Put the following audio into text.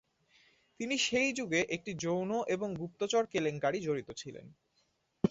তিনি সেই যুগে একটি যৌন এবং গুপ্তচর কেলেঙ্কারি জড়িত ছিলেন।